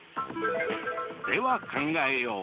では考えよう。